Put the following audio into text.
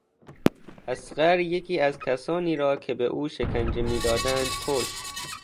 اصغر یکی از کسانی را که به او شکنجه میدادند کشت.